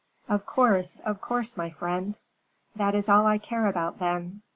"Of course, of course, my friend." "That is all I care about, then.